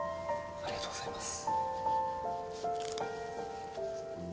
ありがとうございます。